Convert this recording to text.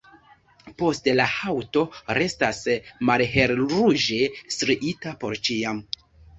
Poste la haŭto restas malhelruĝe striita por ĉiam.